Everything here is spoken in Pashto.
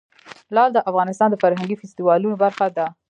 لعل د افغانستان د فرهنګي فستیوالونو برخه ده.